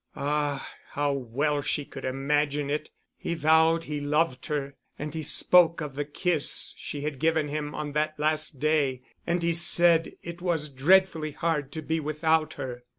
Ah, how well she could imagine it! He vowed he loved her and he spoke of the kiss she had given him on that last day, and he said it was dreadfully hard to be without her.